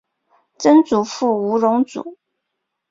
曾祖父吴荣祖。